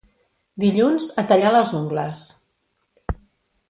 Dilluns, a tallar les ungles.